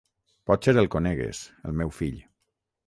Potser el conegues, el meu fill...